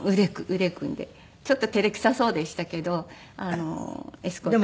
ちょっと照れくさそうでしたけどエスコートして。